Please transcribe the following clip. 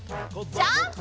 ジャンプ！